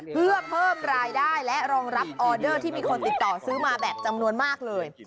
เพื่อเพิ่มรายได้และรองรับออเดอร์ที่มีคนติดต่อซื้อมาแบบจำนวนมากเลย